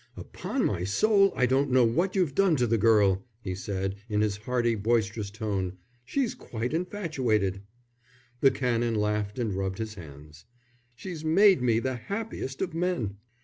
"Upon my soul, I don't know what you've done to the girl," he said, in his hearty, boisterous tone. "She's quite infatuated." The Canon laughed and rubbed his hands. "She's made me the happiest of men."